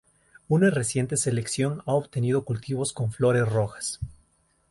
Una reciente selección ha obtenido cultivos con flores rojas.